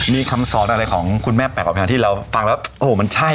มีคำสอนอะไรของคุณแม่แปลกกว่าแมวที่เราฟังแล้วโอ้โหมันใช่